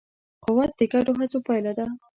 قوت د ګډو هڅو پایله ده.